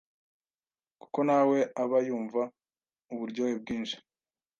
kuko nawe aba yumva uburyohe bwinshi